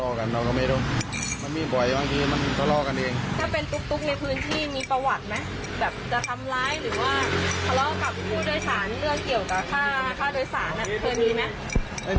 หรือว่าคล้องกับผู้โดยสารเรื่องเกี่ยวกับค่าโดยสารเคยมีไหม